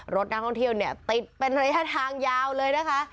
รถนักท่องเที่ยวเนี่ยติดเป็นระยะทางยาวเลยนะคะ